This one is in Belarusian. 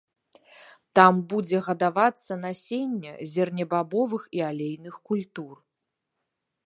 Там будзе гадавацца насенне зернебабовых і алейных культур.